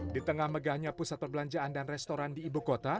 di tengah megahnya pusat perbelanjaan dan restoran di ibu kota